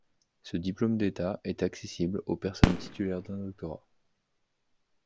Ce diplôme d'État est accessible aux personnes titulaires d'un doctorat.